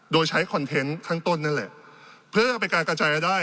โดยใช้คอนเทนต์ข้างต้นนั่นแหละเพื่อเป็นการกระจายรายได้